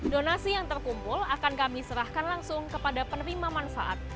donasi yang terkumpul akan kami serahkan langsung kepada penerima manfaat